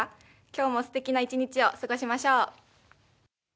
今日もすてきな一日を過ごしましょう。